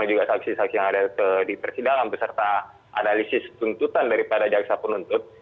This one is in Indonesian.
juga saksi saksi yang ada di persidangan beserta analisis tuntutan daripada jaksa penuntut